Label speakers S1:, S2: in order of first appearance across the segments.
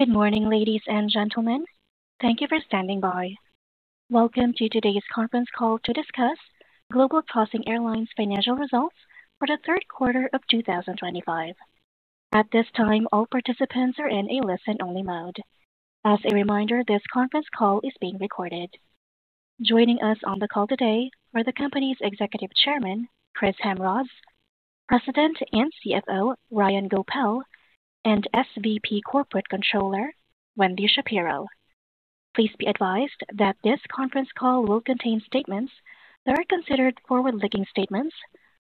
S1: Good morning, ladies and gentlemen. Thank you for standing by. Welcome to today's conference call to discuss Global Crossing Airlines' financial results for the third quarter of 2025. At this time, all participants are in a listen-only mode. As a reminder, this conference call is being recorded. Joining us on the call today are the company's Executive Chairman, Chris Jamroz, President and CFO, Ryan Goepel, and SVP Corporate Controller, Wendy Shapiro. Please be advised that this conference call will contain statements that are considered forward-looking statements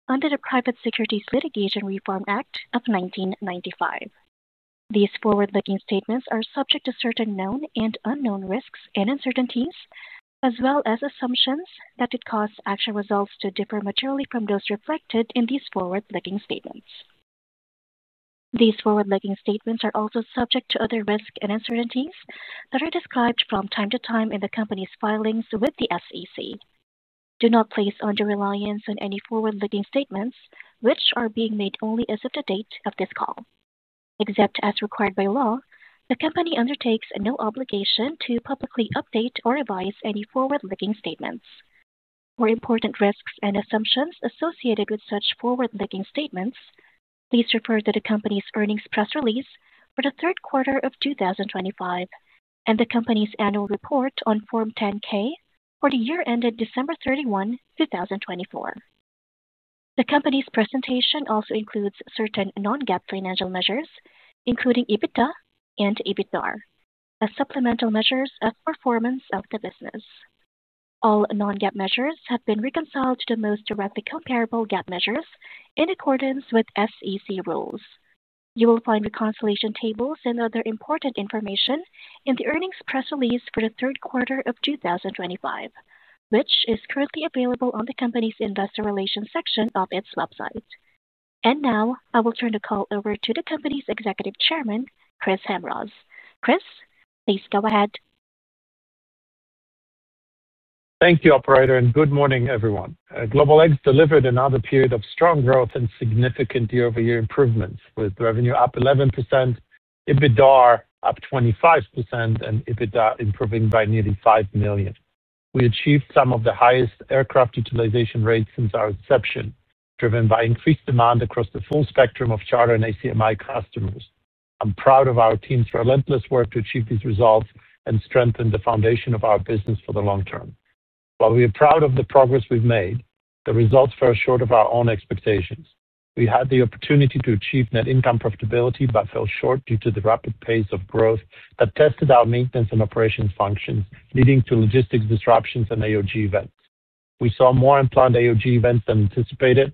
S1: under the Private Securities Litigation Reform Act of 1995. These forward-looking statements are subject to certain known and unknown risks and uncertainties, as well as assumptions that could cause actual results to differ materially from those reflected in these forward-looking statements. These forward-looking statements are also subject to other risks and uncertainties that are described from time to time in the company's filings with the SEC. Do not place your reliance on any forward-looking statements, which are being made only as of the date of this call. Except as required by law, the company undertakes no obligation to publicly update or revise any forward-looking statements. For important risks and assumptions associated with such forward-looking statements, please refer to the company's earnings press release for the third quarter of 2025 and the company's annual report on Form 10-K for the year ended December 31, 2024. The company's presentation also includes certain non-GAAP financial measures, including EBITDA and EBITDAR, as supplemental measures of performance of the business. All non-GAAP measures have been reconciled to the most directly comparable GAAP measures in accordance with SEC rules. You will find reconciliation tables and other important information in the earnings press release for the third quarter of 2025, which is currently available on the company's investor relations section of its website. I will now turn the call over to the company's Executive Chairman, Chris Jamroz. Chris, please go ahead.
S2: Thank you, Operator, and good morning, everyone. GlobalX delivered another period of strong growth and significant year-over-year improvements, with revenue up 11%, EBITDAR up 25%, and EBITDA improving by nearly $5 million. We achieved some of the highest aircraft utilization rates since our inception, driven by increased demand across the full spectrum of charter and ACMI customers. I'm proud of our team's relentless work to achieve these results and strengthen the foundation of our business for the long term. While we are proud of the progress we've made, the results fell short of our own expectations. We had the opportunity to achieve net income profitability but fell short due to the rapid pace of growth that tested our maintenance and operations functions, leading to logistics disruptions and AOG events. We saw more unplanned AOG events than anticipated,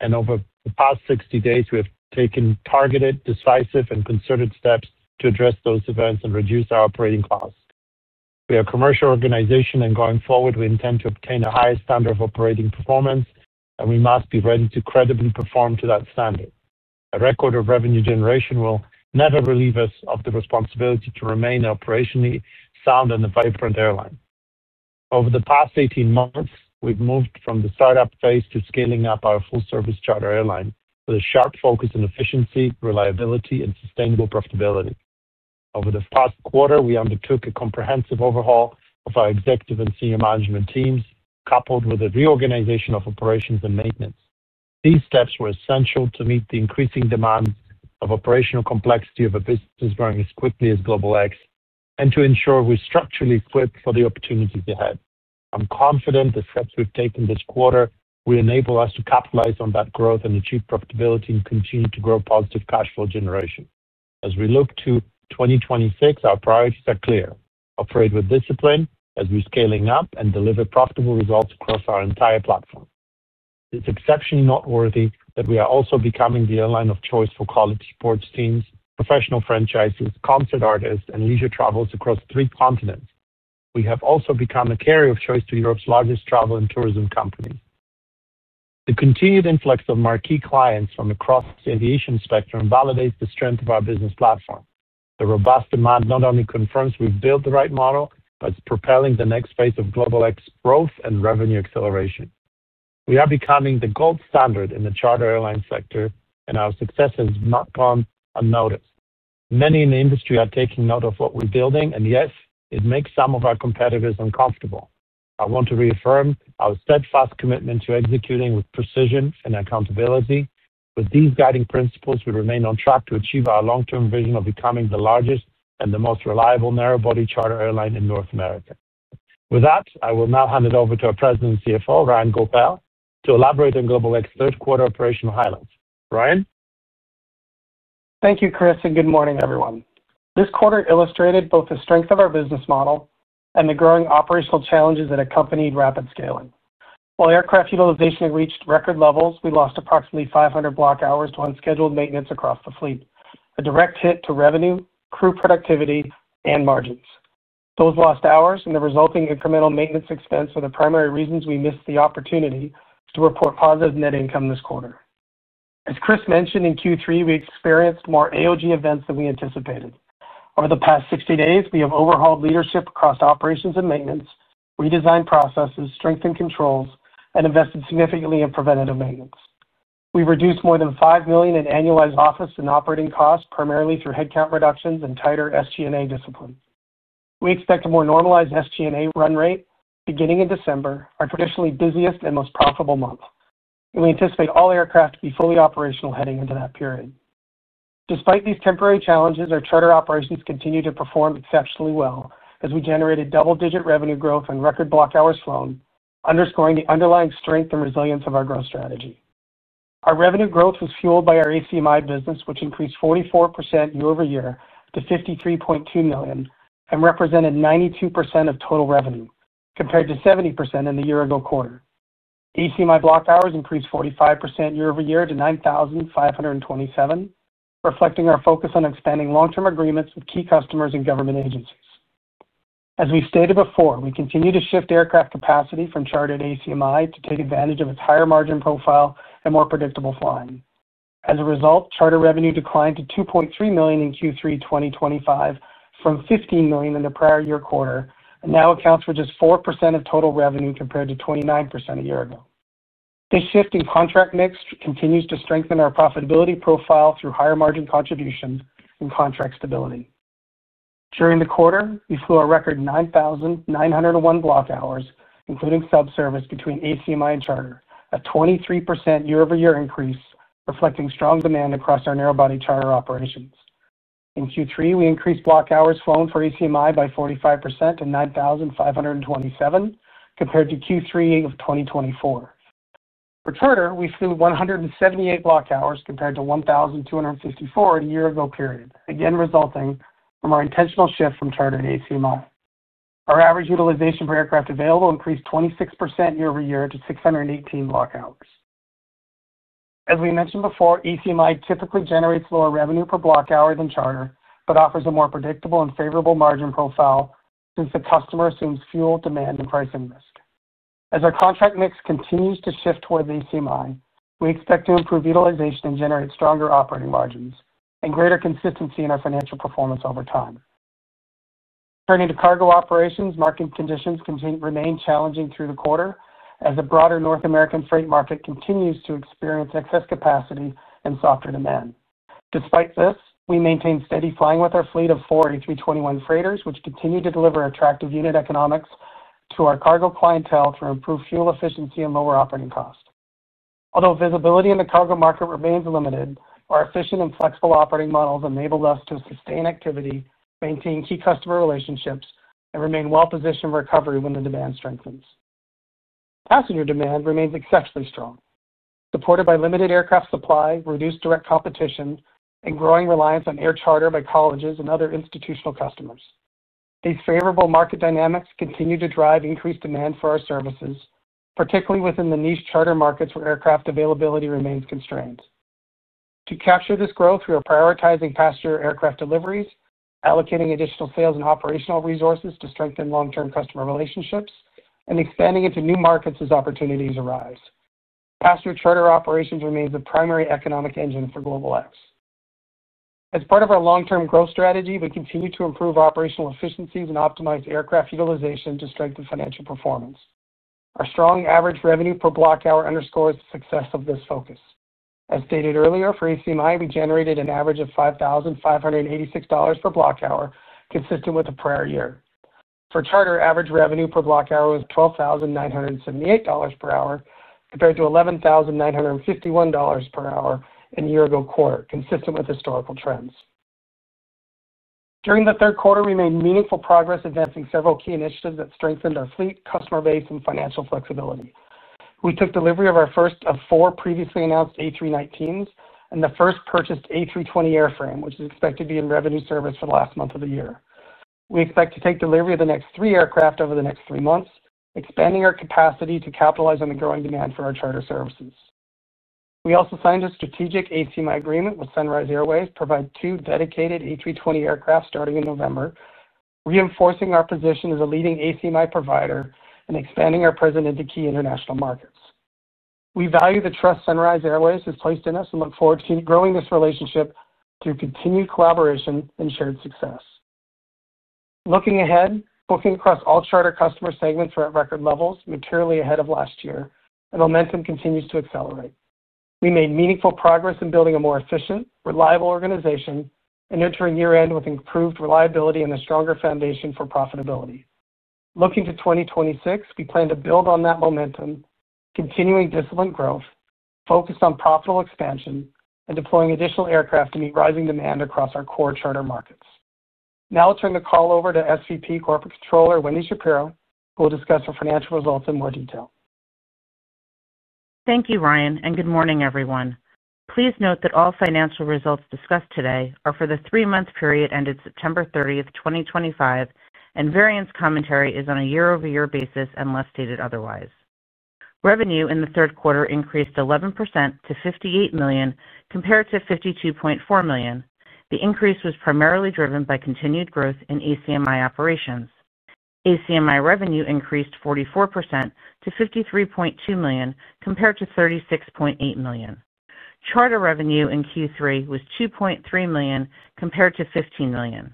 S2: and over the past 60 days, we have taken targeted, decisive, and concerted steps to address those events and reduce our operating costs. We are a commercial organization, and going forward, we intend to obtain the highest standard of operating performance, and we must be ready to credibly perform to that standard. A record of revenue generation will never relieve us of the responsibility to remain operationally sound on the vibrant airline. Over the past 18 months, we've moved from the startup phase to scaling up our full-service charter airline with a sharp focus on efficiency, reliability, and sustainable profitability. Over the past quarter, we undertook a comprehensive overhaul of our executive and senior management teams, coupled with a reorganization of operations and maintenance. These steps were essential to meet the increasing demands of operational complexity of a business growing as quickly as GlobalX and to ensure we're structurally equipped for the opportunities ahead. I'm confident the steps we've taken this quarter will enable us to capitalize on that growth and achieve profitability and continue to grow positive cash flow generation. As we look to 2026, our priorities are clear. Operate with discipline as we're scaling up and deliver profitable results across our entire platform. It's exceptionally noteworthy that we are also becoming the airline of choice for quality sports teams, professional franchises, concert artists, and leisure travelers across three continents. We have also become a carrier of choice to Europe's largest travel and tourism companies. The continued influx of marquee clients from across the aviation spectrum validates the strength of our business platform. The robust demand not only confirms we've built the right model, but it's propelling the next phase of GlobalX growth and revenue acceleration. We are becoming the gold standard in the charter airline sector, and our success has not gone unnoticed. Many in the industry are taking note of what we're building, and yes, it makes some of our competitors uncomfortable. I want to reaffirm our steadfast commitment to executing with precision and accountability. With these guiding principles, we remain on track to achieve our long-term vision of becoming the largest and the most reliable narrow-body charter airline in North America. With that, I will now hand it over to our President and CFO, Ryan Goepel, to elaborate on GlobalX's third quarter operational highlights. Ryan.
S3: Thank you, Chris, and good morning, everyone. This quarter illustrated both the strength of our business model and the growing operational challenges that accompanied rapid scaling. While aircraft utilization had reached record levels, we lost approximately 500 block hours to unscheduled maintenance across the fleet, a direct hit to revenue, crew productivity, and margins. Those lost hours and the resulting incremental maintenance expense were the primary reasons we missed the opportunity to report positive net income this quarter. As Chris mentioned, in Q3, we experienced more AOG events than we anticipated. Over the past 60 days, we have overhauled leadership across operations and maintenance, redesigned processes, strengthened controls, and invested significantly in preventative maintenance. We've reduced more than $5 million in annualized office and operating costs, primarily through headcount reductions and tighter SG&A discipline. We expect a more normalized SG&A run rate beginning in December, our traditionally busiest and most profitable month, and we anticipate all aircraft to be fully operational heading into that period. Despite these temporary challenges, our charter operations continue to perform exceptionally well, as we generated double-digit revenue growth and record block hours flown, underscoring the underlying strength and resilience of our growth strategy. Our revenue growth was fueled by our ACMI business, which increased 44% year-over-year to $53.2 million and represented 92% of total revenue, compared to 70% in the year-ago quarter. ACMI block hours increased 45% year-over-year to 9,527, reflecting our focus on expanding long-term agreements with key customers and government agencies. As we stated before, we continue to shift aircraft capacity from chartered ACMI to take advantage of its higher margin profile and more predictable flying. As a result, charter revenue declined to $2.3 million in Q3 2025 from $15 million in the prior year quarter and now accounts for just 4% of total revenue compared to 29% a year ago. This shift in contract mix continues to strengthen our profitability profile through higher margin contributions and contract stability. During the quarter, we flew our record 9,901 block hours, including subservice, between ACMI and charter, a 23% year-over-year increase, reflecting strong demand across our narrow-body charter operations. In Q3, we increased block hours flown for ACMI by 45% to 9,527, compared to Q3 of 2024. For charter, we flew 178 block hours, compared to 1,254 in a year-ago period, again resulting from our intentional shift from charter to ACMI. Our average utilization per aircraft available increased 26% year-over-year to 618 block hours. As we mentioned before, ACMI typically generates lower revenue per block hour than charter but offers a more predictable and favorable margin profile since the customer assumes fuel, demand, and pricing risk. As our contract mix continues to shift towards ACMI, we expect to improve utilization and generate stronger operating margins and greater consistency in our financial performance over time. Turning to cargo operations, market conditions remain challenging through the quarter as the broader North American freight market continues to experience excess capacity and softer demand. Despite this, we maintain steady flying with our fleet of four A321 freighters, which continue to deliver attractive unit economics to our cargo clientele through improved fuel efficiency and lower operating costs. Although visibility in the cargo market remains limited, our efficient and flexible operating models enable us to sustain activity, maintain key customer relationships, and remain well-positioned for recovery when the demand strengthens. Passenger demand remains exceptionally strong, supported by limited aircraft supply, reduced direct competition, and growing reliance on air charter by colleges and other institutional customers. These favorable market dynamics continue to drive increased demand for our services, particularly within the niche charter markets where aircraft availability remains constrained. To capture this growth, we are prioritizing passenger aircraft deliveries, allocating additional sales and operational resources to strengthen long-term customer relationships, and expanding into new markets as opportunities arise. Passenger charter operations remain the primary economic engine for GlobalX. As part of our long-term growth strategy, we continue to improve operational efficiencies and optimize aircraft utilization to strengthen financial performance. Our strong average revenue per block hour underscores the success of this focus. As stated earlier, for ACMI, we generated an average of $5,586 per block hour, consistent with the prior year. For charter, average revenue per block hour was $12,978 per hour, compared to $11,951 per hour in a year-ago quarter, consistent with historical trends. During the third quarter, we made meaningful progress, advancing several key initiatives that strengthened our fleet, customer base, and financial flexibility. We took delivery of our first of four previously announced A319s and the first purchased A320 airframe, which is expected to be in revenue service for the last month of the year. We expect to take delivery of the next three aircraft over the next three months, expanding our capacity to capitalize on the growing demand for our charter services. We also signed a strategic ACMI agreement with Sunrise Airways to provide two dedicated A320 aircraft starting in November, reinforcing our position as a leading ACMI provider and expanding our presence into key international markets. We value the trust Sunrise Airways has placed in us and look forward to growing this relationship through continued collaboration and shared success. Looking ahead, bookings across all charter customer segments are at record levels, materially ahead of last year, and momentum continues to accelerate. We made meaningful progress in building a more efficient, reliable organization and entering year-end with improved reliability and a stronger foundation for profitability. Looking to 2026, we plan to build on that momentum, continuing disciplined growth, focus on profitable expansion, and deploying additional aircraft to meet rising demand across our core charter markets. Now I'll turn the call over to SVP Corporate Controller, Wendy Shapiro, who will discuss our financial results in more detail.
S4: Thank you, Ryan, and good morning, everyone. Please note that all financial results discussed today are for the three-month period ended September 30th, 2025, and variance commentary is on a year-over-year basis unless stated otherwise. Revenue in the third quarter increased 11% to $58 million, compared to $52.4 million. The increase was primarily driven by continued growth in ACMI operations. ACMI revenue increased 44% to $53.2 million, compared to $36.8 million. Charter revenue in Q3 was $2.3 million, compared to $15 million.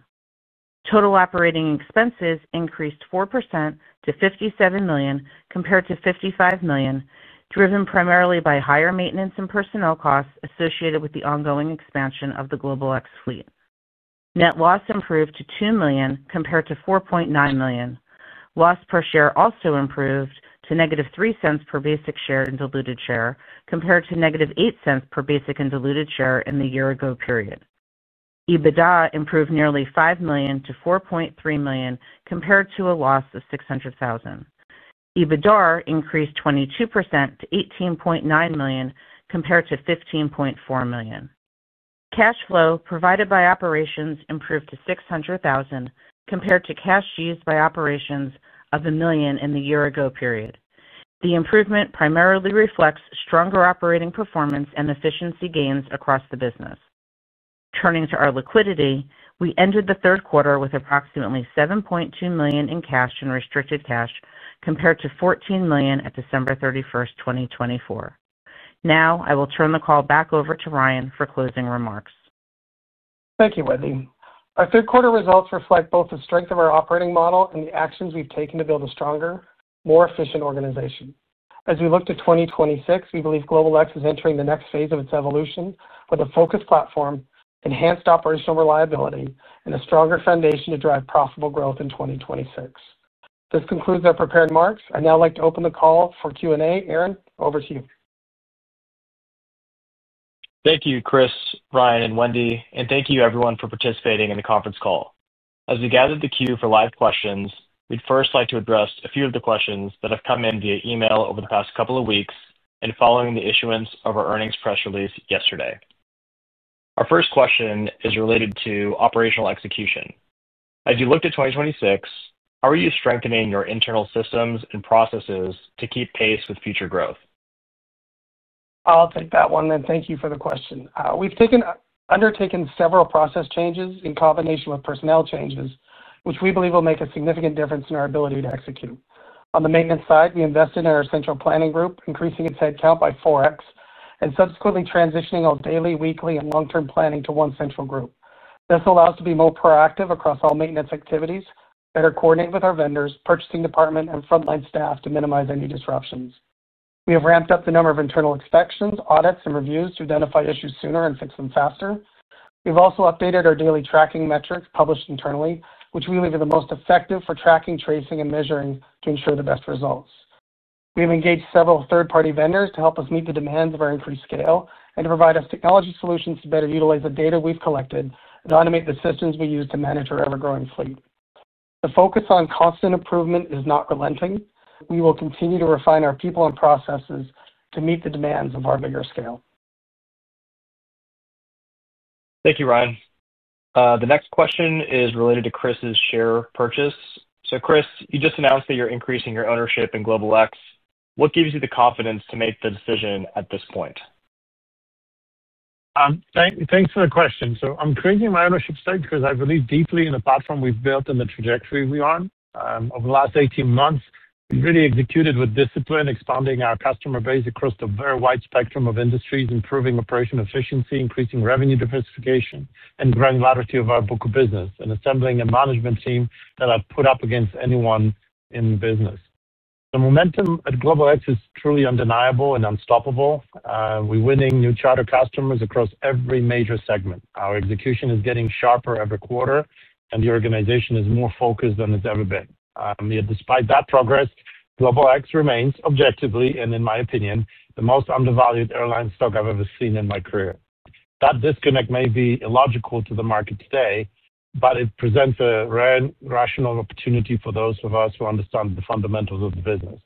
S4: Total operating expenses increased 4% to $57 million, compared to $55 million, driven primarily by higher maintenance and personnel costs associated with the ongoing expansion of the GlobalX fleet. Net loss improved to $2 million, compared to $4.9 million. Loss per share also improved to negative $0.03 per basic share and diluted share, compared to negative $0.08 per basic and diluted share in the year-ago period. EBITDA improved nearly $5 million-$4.3 million, compared to a loss of $600,000. EBITDAR increased 22% to $18.9 million, compared to $15.4 million. Cash flow provided by operations improved to $600,000, compared to cash used by operations of $1 million in the year-ago period. The improvement primarily reflects stronger operating performance and efficiency gains across the business. Turning to our liquidity, we ended the third quarter with approximately $7.2 million in cash and restricted cash, compared to $14 million at December 31st, 2024. Now I will turn the call back over to Ryan for closing remarks.
S3: Thank you, Wendy. Our third-quarter results reflect both the strength of our operating model and the actions we've taken to build a stronger, more efficient organization. As we look to 2026, we believe GlobalX is entering the next phase of its evolution with a focused platform, enhanced operational reliability, and a stronger foundation to drive profitable growth in 2026. This concludes our prepared remarks. I'd now like to open the call for Q&A. Aaron, over to you. Thank you, Chris, Ryan, and Wendy. Thank you, everyone, for participating in the conference call. As we gather the queue for live questions, we'd first like to address a few of the questions that have come in via email over the past couple of weeks and following the issuance of our earnings press release yesterday. Our first question is related to operational execution. As you look to 2026, how are you strengthening your internal systems and processes to keep pace with future growth? I'll take that one, and thank you for the question. We've undertaken several process changes in combination with personnel changes, which we believe will make a significant difference in our ability to execute. On the maintenance side, we invested in our central planning group, increasing its headcount by 4x and subsequently transitioning all daily, weekly, and long-term planning to one central group. This allows us to be more proactive across all maintenance activities, better coordinate with our vendors, purchasing department, and frontline staff to minimize any disruptions. We have ramped up the number of internal inspections, audits, and reviews to identify issues sooner and fix them faster. We've also updated our daily tracking metrics published internally, which we believe are the most effective for tracking, tracing, and measuring to ensure the best results. We have engaged several third-party vendors to help us meet the demands of our increased scale and to provide us technology solutions to better utilize the data we've collected and automate the systems we use to manage our ever-growing fleet. The focus on constant improvement is not relenting. We will continue to refine our people and processes to meet the demands of our bigger scale. Thank you, Ryan. The next question is related to Chris's share purchase. Chris, you just announced that you're increasing your ownership in GlobalX. What gives you the confidence to make the decision at this point?
S2: Thanks for the question. I'm creating my ownership stake because I believe deeply in the platform we've built and the trajectory we're on. Over the last 18 months, we've really executed with discipline, expanding our customer base across the very wide spectrum of industries, improving operational efficiency, increasing revenue diversification, and growing the latter tier of our book of business, and assembling a management team that I'd put up against anyone in business. The momentum at GlobalX is truly undeniable and unstoppable. We're winning new charter customers across every major segment. Our execution is getting sharper every quarter, and the organization is more focused than it's ever been. Despite that progress, GlobalX remains, objectively and in my opinion, the most undervalued airline stock I've ever seen in my career. That disconnect may be illogical to the market today, but it presents a rare and rational opportunity for those of us who understand the fundamentals of the business.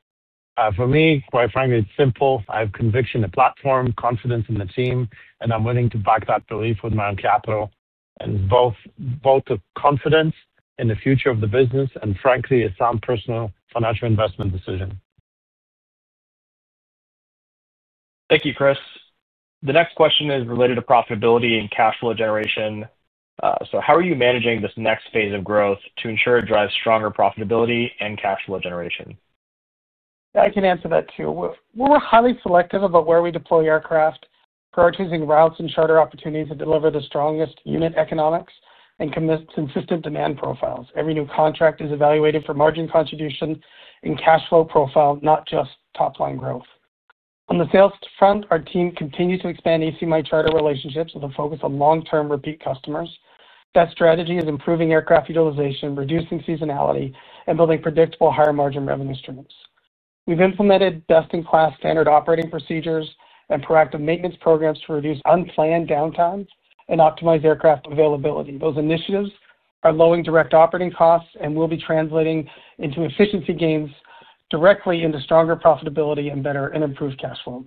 S2: For me, quite frankly, it's simple. I have conviction in the platform, confidence in the team, and I'm willing to back that belief with my own capital. I have both a confidence in the future of the business and, frankly, a sound personal financial investment decision. Thank you, Chris. The next question is related to profitability and cash flow generation. How are you managing this next phase of growth to ensure it drives stronger profitability and cash flow generation?
S3: I can answer that too. We're highly selective about where we deploy aircraft, prioritizing routes and charter opportunities to deliver the strongest unit economics and consistent demand profiles. Every new contract is evaluated for margin contribution and cash flow profile, not just top-line growth. On the sales front, our team continues to expand ACMI charter relationships with a focus on long-term repeat customers. That strategy is improving aircraft utilization, reducing seasonality, and building predictable higher margin revenue streams. We've implemented best-in-class standard operating procedures and proactive maintenance programs to reduce unplanned downtime and optimize aircraft availability. Those initiatives are lowering direct operating costs and will be translating into efficiency gains directly into stronger profitability and better and improved cash flow.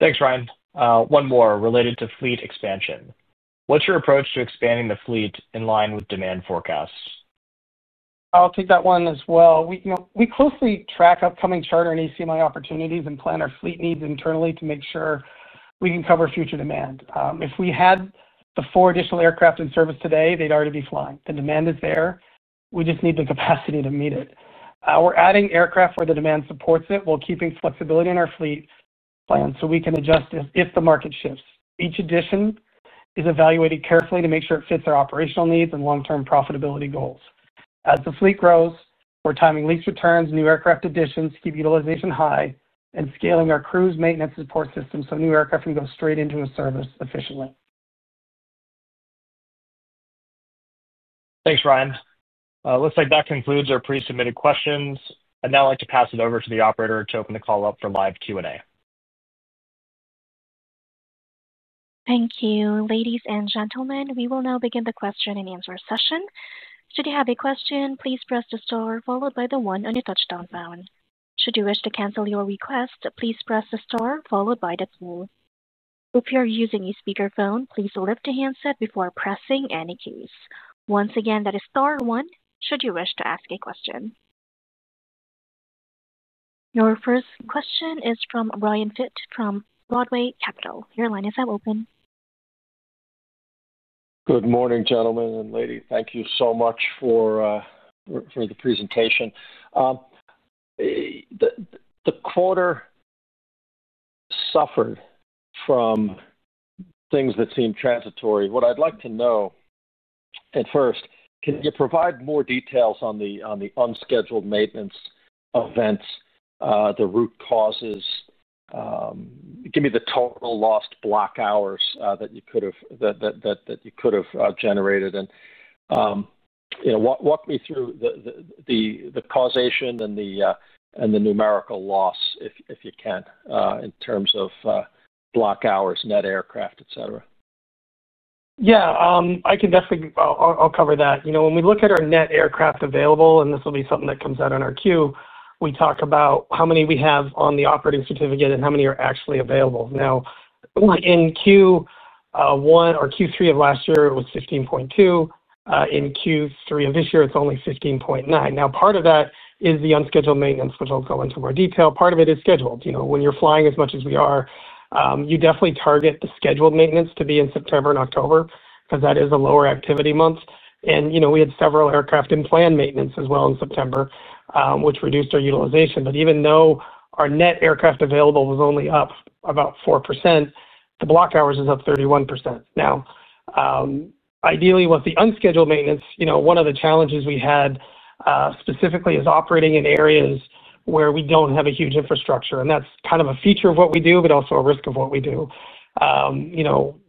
S3: Thanks, Ryan. One more related to fleet expansion. What's your approach to expanding the fleet in line with demand forecasts? I'll take that one as well. We closely track upcoming charter and ACMI opportunities and plan our fleet needs internally to make sure we can cover future demand. If we had the four additional aircraft in service today, they'd already be flying. The demand is there. We just need the capacity to meet it. We're adding aircraft where the demand supports it while keeping flexibility in our fleet plan so we can adjust it if the market shifts. Each addition is evaluated carefully to make sure it fits our operational needs and long-term profitability goals. As the fleet grows, we're timing lease returns, new aircraft additions, keeping utilization high, and scaling our crew maintenance support system so new aircraft can go straight into service efficiently. Thanks, Ryan. Looks like that concludes our pre-submitted questions. I'd now like to pass it over to the operator to open the call up for live Q&A.
S1: Thank you. Ladies and gentlemen, we will now begin the question and answer session. Should you have a question, please press the star followed by the one on your touch-tone phone. Should you wish to cancel your request, please press the star followed by the two. If you're using a speakerphone, please lift the handset before pressing any keys. Once again, that is star one. Should you wish to ask a question? Your first question is from Ryan Fitt from Broadway Capital. Your line is now open.
S5: Good morning, gentlemen and ladies. Thank you so much for the presentation. The quarter suffered from things that seem transitory. What I'd like to know at first, can you provide more details on the unscheduled maintenance events, the root causes? Give me the total lost block hours that you could have generated. Walk me through the causation and the numerical loss, if you can, in terms of block hours, net aircraft, etc.
S3: Yeah, I can definitely—I'll cover that. When we look at our net aircraft available, and this will be something that comes out on our Q, we talk about how many we have on the operating certificate and how many are actually available. Now. In Q1 or Q3 of last year, it was 15.2. In Q3 of this year, it's only 15.9. Now, part of that is the unscheduled maintenance, which I'll go into more detail. Part of it is scheduled. When you're flying as much as we are, you definitely target the scheduled maintenance to be in September and October because that is a lower activity month. We had several aircraft in planned maintenance as well in September, which reduced our utilization. Even though our net aircraft available was only up about 4%, the block hours is up 31%. Now. Ideally, with the unscheduled maintenance, one of the challenges we had specifically is operating in areas where we do not have a huge infrastructure. That is kind of a feature of what we do, but also a risk of what we do. When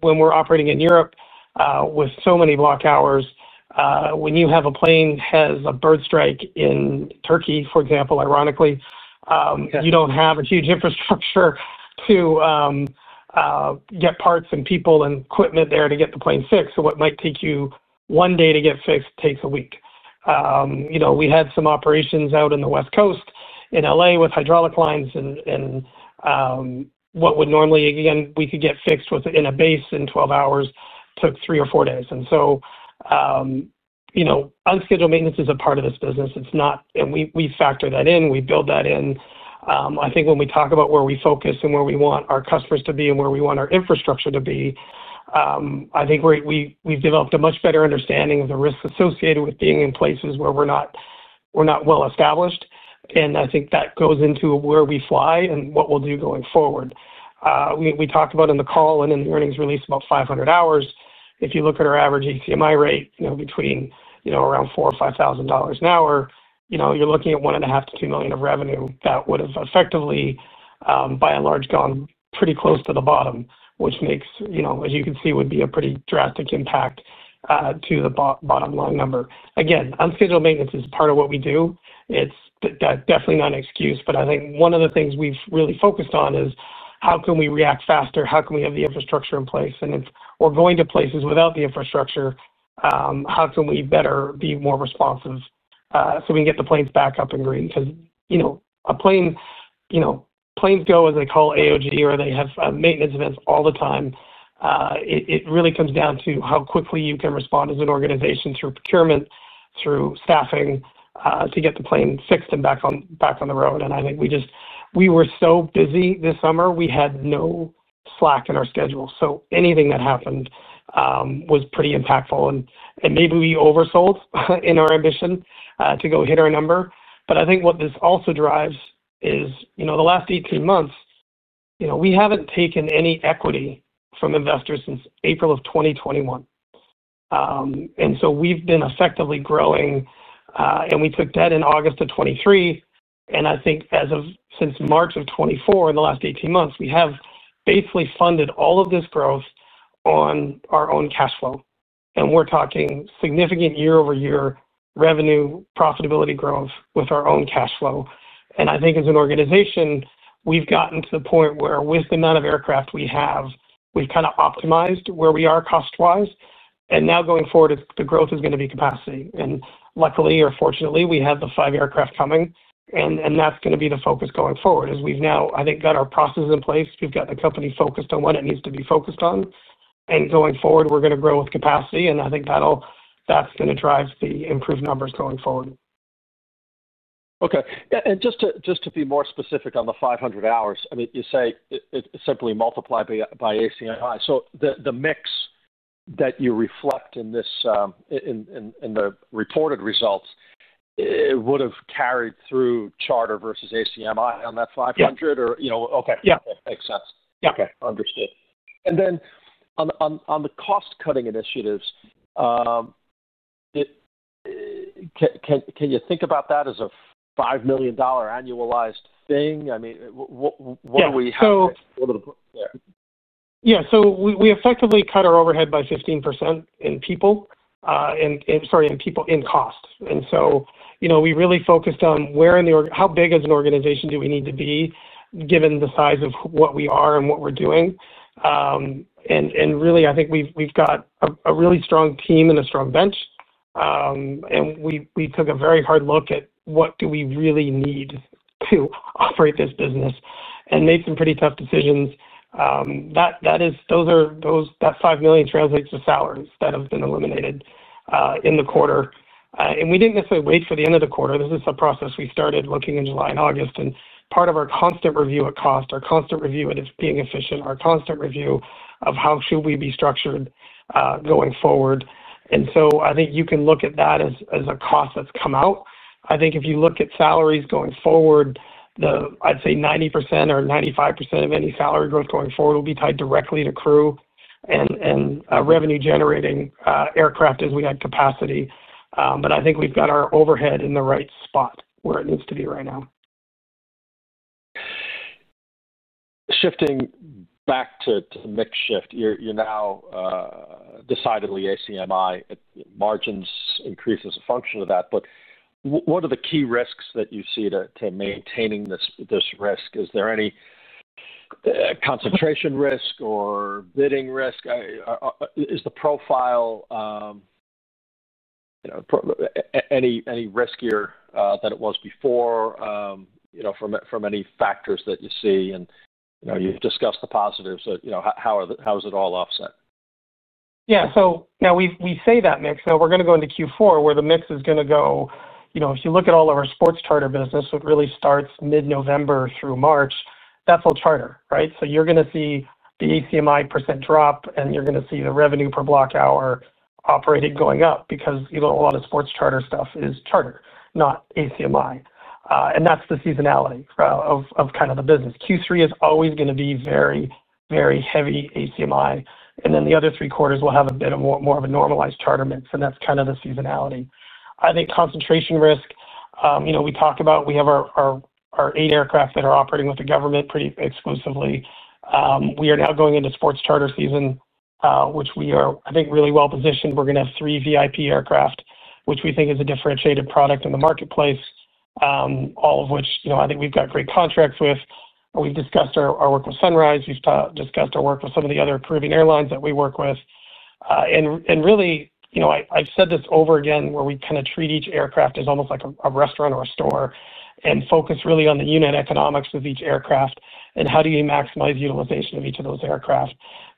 S3: we are operating in Europe with so many block hours, when you have a plane that has a bird strike in Turkey, for example, ironically, you do not have a huge infrastructure to get parts and people and equipment there to get the plane fixed. What might take you one day to get fixed takes a week. We had some operations out in the West Coast in L.A. with hydraulic lines, and what would normally, again, we could get fixed in a base in 12 hours, took three or four days. Unscheduled maintenance is a part of this business, and we factor that in. We build that in. I think when we talk about where we focus and where we want our customers to be and where we want our infrastructure to be, I think we've developed a much better understanding of the risks associated with being in places where we're not well established. I think that goes into where we fly and what we'll do going forward. We talked about in the call and in the earnings release about 500 hours. If you look at our average ACMI rate between around $4,000-$5,000 an hour, you're looking at $1,500,000-$2,000,000 of revenue that would have effectively, by and large, gone pretty close to the bottom, which makes, as you can see, would be a pretty drastic impact to the bottom line number. Again, unscheduled maintenance is part of what we do. It's definitely not an excuse. I think one of the things we've really focused on is how can we react faster? How can we have the infrastructure in place? If we're going to places without the infrastructure, how can we better be more responsive so we can get the planes back up and green? Planes go as they call AOG, or they have maintenance events all the time. It really comes down to how quickly you can respond as an organization through procurement, through staffing, to get the plane fixed and back on the road. I think we were so busy this summer, we had no slack in our schedule. Anything that happened was pretty impactful. Maybe we oversold in our ambition to go hit our number. I think what this also drives is the last 18 months, we haven't taken any equity from investors since April of 2021. We've been effectively growing. We took debt in August of 2023. I think since March of 2024, in the last 18 months, we have basically funded all of this growth on our own cash flow. We're talking significant year-over-year revenue, profitability growth with our own cash flow. I think as an organization, we've gotten to the point where with the amount of aircraft we have, we've kind of optimized where we are cost-wise. Now going forward, the growth is going to be capacity. Luckily or fortunately, we have the five aircraft coming. That's going to be the focus going forward. We've now, I think, got our processes in place. We've got the company focused on what it needs to be focused on. Going forward, we're going to grow with capacity. I think that's going to drive the improved numbers going forward.
S5: Okay. Just to be more specific on the 500 hours, I mean, you say it's simply multiplied by ACMI. The mix that you reflect in the reported results would have carried through charter versus ACMI on that 500? Or okay.
S3: Yeah.
S5: Okay. Makes sense. Understood. And then on the cost-cutting initiatives. Can you think about that as a $5 million annualized thing? I mean. What do we have to.
S3: Yeah. So we effectively cut our overhead by 15% in people. Sorry, in cost. And so we really focused on where in the—how big as an organization do we need to be given the size of what we are and what we're doing? And really, I think we've got a really strong team and a strong bench. And we took a very hard look at what do we really need to operate this business and made some pretty tough decisions. Those are—that $5 million translates to salaries that have been eliminated in the quarter. And we didn't necessarily wait for the end of the quarter. This is a process we started looking in July and August. And part of our constant review at cost, our constant review of being efficient, our constant review of how should we be structured going forward. I think you can look at that as a cost that's come out. I think if you look at salaries going forward, I'd say 90% or 95% of any salary growth going forward will be tied directly to crew and revenue-generating aircraft as we add capacity. I think we've got our overhead in the right spot where it needs to be right now.
S5: Shifting back to the mix shift, you're now. Decidedly ACMI. Margins increase as a function of that. But what are the key risks that you see to maintaining this risk? Is there any. Concentration risk or bidding risk? Is the profile. Any riskier than it was before. From any factors that you see? And you've discussed the positives. How is it all offset?
S3: Yeah. So we say that mix. So we're going to go into Q4 where the mix is going to go—if you look at all of our sports charter business, it really starts mid-November through March. That's all charter, right? So you're going to see the ACMI percent drop, and you're going to see the revenue per block hour operating going up because a lot of sports charter stuff is charter, not ACMI. And that's the seasonality of kind of the business. Q3 is always going to be very, very heavy ACMI. And then the other three quarters, we'll have a bit of more of a normalized charter mix. And that's kind of the seasonality. I think concentration risk, we talk about we have our eight aircraft that are operating with the government pretty exclusively. We are now going into sports charter season, which we are, I think, really well positioned. We're going to have three VIP aircraft, which we think is a differentiated product in the marketplace. All of which I think we've got great contracts with. We've discussed our work with Sunrise. We've discussed our work with some of the other proving airlines that we work with. And really, I've said this over again where we kind of treat each aircraft as almost like a restaurant or a store and focus really on the unit economics of each aircraft and how do you maximize utilization of each of those aircraft.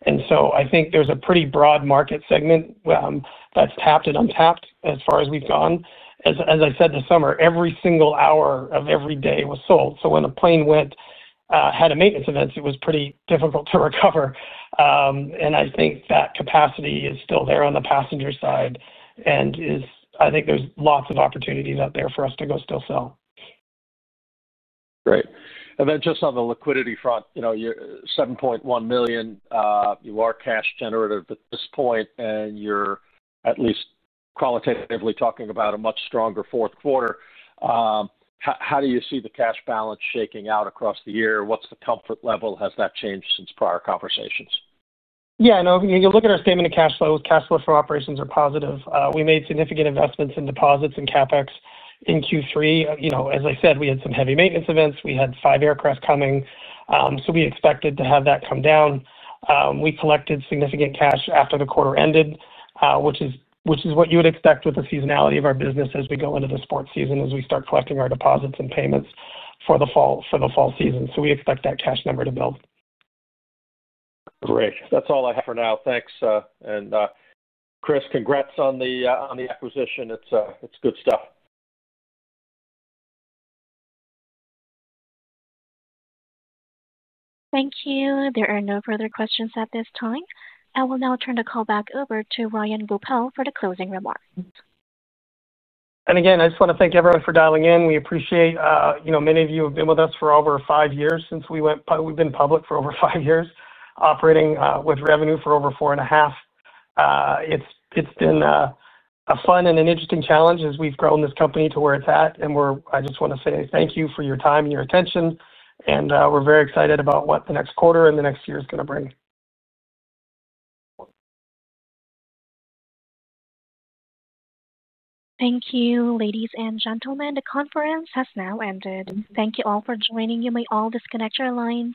S3: And so I think there's a pretty broad market segment. That's tapped and untapped as far as we've gone. As I said, this summer, every single hour of every day was sold. So when a plane had a maintenance event, it was pretty difficult to recover. And I think that capacity is still there on the passenger side. And I think there's lots of opportunities out there for us to go still sell.
S5: Great. And then just on the liquidity front. $7.1 million, you are cash-generative at this point, and you're at least qualitatively talking about a much stronger fourth quarter. How do you see the cash balance shaking out across the year? What's the comfort level? Has that changed since prior conversations?
S3: Yeah. You look at our statement of cash flow, cash flow for operations are positive. We made significant investments in deposits and CapEx in Q3. As I said, we had some heavy maintenance events. We had five aircraft coming. So we expected to have that come down. We collected significant cash after the quarter ended, which is what you would expect with the seasonality of our business as we go into the sports season as we start collecting our deposits and payments for the fall season. So we expect that cash number to build.
S5: Great. That's all I have for now. Thanks. And. Chris, congrats on the acquisition. It's good stuff.
S1: Thank you. There are no further questions at this time. I will now turn the call back over to Ryan Goepel for the closing remarks.
S3: I just want to thank everyone for dialing in. We appreciate many of you have been with us for over five years since we've been public for over five years, operating with revenue for over four and a half. It's been a fun and an interesting challenge as we've grown this company to where it's at. I just want to say thank you for your time and your attention. We're very excited about what the next quarter and the next year is going to bring.
S1: Thank you, ladies and gentlemen. The conference has now ended. Thank you all for joining. You may all disconnect your lines.